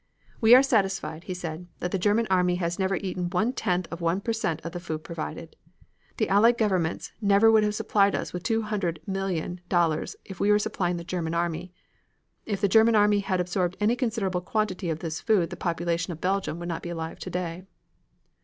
"We are satisfied," he said, "that the German army has never eaten one tenth of one per cent of the food provided. The Allied governments never would have supplied us with two hundred million dollars if we were supplying the German army. If the Germans had absorbed any considerable quantity of this food the population of Belgium would not be alive today."